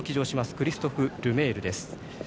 クリストフ・ルメールです。